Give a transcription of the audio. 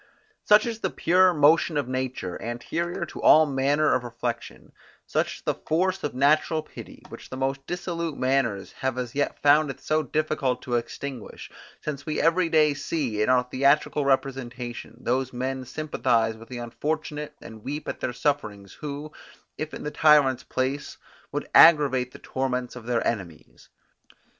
Such is the pure motion of nature, anterior to all manner of reflection; such is the force of natural pity, which the most dissolute manners have as yet found it so difficult to extinguish, since we every day see, in our theatrical representation, those men sympathize with the unfortunate and weep at their sufferings, who, if in the tyrant's place, would aggravate the torments of their enemies.